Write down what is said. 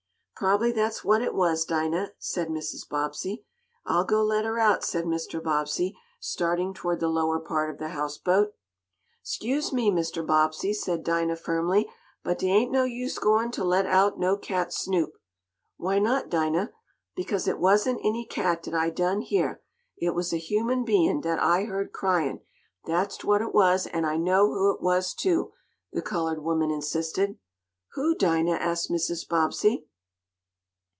"Probably that's what it was, Dinah," said Mrs. Bobbsey. "I'll go let her out," said Mr. Bobbsey, starting toward the lower part of the houseboat. "'Scuse me, Mr. Bobbsey," said Dinah firmly, "but dey ain't no use yo' going t' let out no cat Snoop." "Why not, Dinah?" "Because it wasn't any cat dat I done heah. It was a human bein' dat I heard cryin', dat's what it was, an' I know who it was, too," the colored woman insisted. "Who, Dinah?" asked Mrs. Bobbsey.